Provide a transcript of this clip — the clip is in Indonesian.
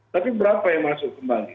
tapi berapa yang masuk kembali